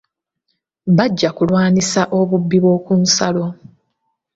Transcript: Bajja kulwanyisa obubbi bw'oku nsalo.